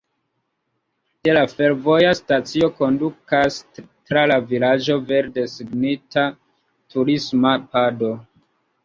De la fervoja stacio kondukas tra la vilaĝo verde signita turisma pado.